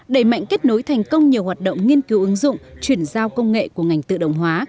đẩy mạnh kết nối thành công nhiều hoạt động nghiên cứu ứng dụng chuyển giao công nghệ của ngành tự động hóa